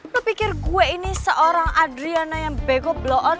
lo pikir gue ini seorang adriana yang begoblo on